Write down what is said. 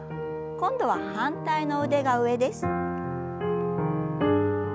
今度は反対の腕が上です。